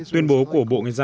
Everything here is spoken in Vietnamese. tuyên bố của bộ nguyên dân